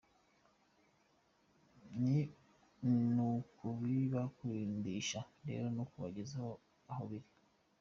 Ni ukubibakundisha rero no kubegereza aho biri.